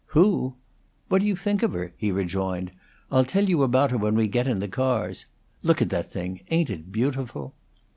"Who? What do you think of her?" he rejoined. "I'll tell you about her when we get in the cars. Look at that thing! Ain't it beautiful?"